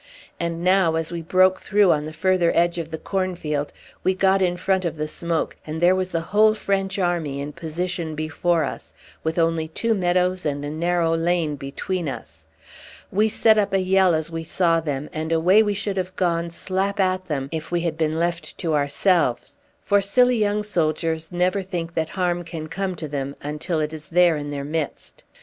And now, as we broke through the further edge of the cornfield, we got in front of the smoke, and there was the whole French army in position before us, with only two meadows and a narrow lane between us. We set up a yell as we saw them, and away we should have gone slap at them if we had been left to ourselves; for silly young soldiers never think that harm can come to them until it is there in their midst.